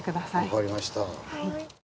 分かりました。